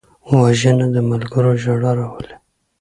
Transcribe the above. وژنه د ملګرو ژړا راولي